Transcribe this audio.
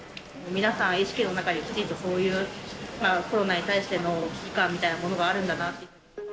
皆さん、意識の中できちんとそういう、コロナに対しての危機感みたいなものがあるんだなと。